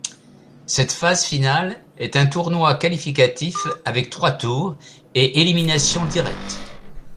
Cette phase finale est un tournoi qualificatif avec trois tours et éliminations directe.